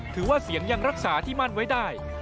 ถือว่าเสียงยังรักษาที่มั่นไว้ได้